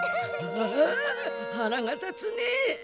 ああ腹が立つねえ。